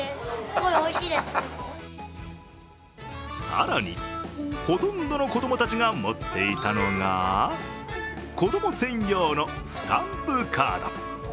更にほとんどの子供たちが持っていたのが子供専用のスタンプカード。